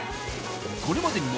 これまでにも